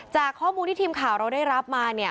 จากข้อมูลที่ทีมข่าวเราได้รับมาเนี่ย